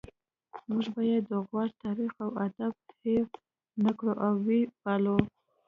موږ باید د غور تاریخ او ادب هیر نکړو او ويې پالو